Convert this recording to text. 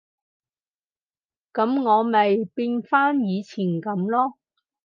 噉我咪變返以前噉囉